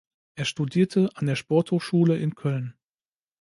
Er studierte an der Sporthochschule in Köln.